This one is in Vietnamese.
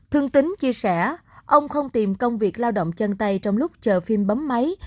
thương tính chia sẻ ông không tìm công việc lao động chân tay trong lúc chờ phim bấm máy